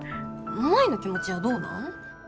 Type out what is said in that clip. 舞の気持ちはどうなん？